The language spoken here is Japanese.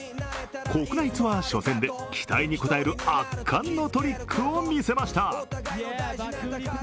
国内ツアー初戦で期待に応える圧巻のトリックを見せました。